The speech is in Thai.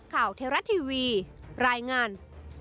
ข่าวเทราะทีวีรายงาน